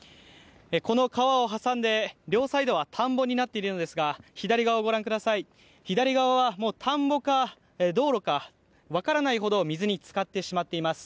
この川を挟んで、両サイドは田んぼになっているのですが左側をご覧ください、左側は田んぼか道路か分からないほど水につかってしまっています。